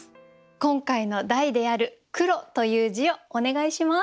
今回の題である「黒」という字をお願いします。